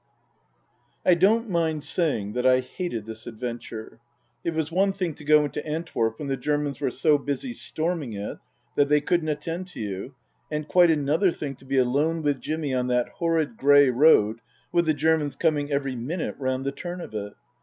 I don't mind saying that I hated this adventure. It was one thing to go into Antwerp when the Germans were so busy storming it that they couldn't attend to you, and quite another thing to be alone with Jimmy on that horrid grey road with the Germans coming every minute round the turn of it.